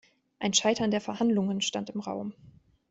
Ein Scheitern der Verhandlungen stand im Raum.